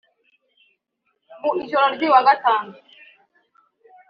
Mu ijoro ry’uyu wa Gatanu